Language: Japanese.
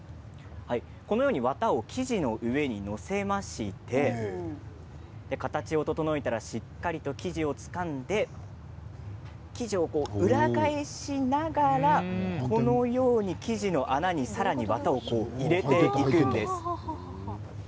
綿を生地の上に載せまして形を整えたらしっかりと生地をつかんで生地を裏返しながら生地の穴にさらに綿を入れていくんです。